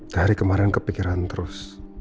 dari kemarin kepikiran terus